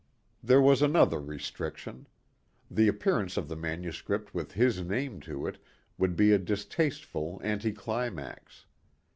There was another restriction. The appearance of the manuscript with his name to it would be a distasteful anti climax.